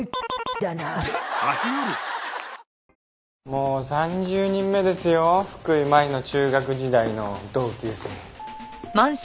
もう３０人目ですよ福井真衣の中学時代の同級生。